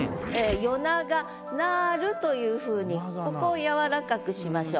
「夜長なる」というふうにここを柔らかくしましょう。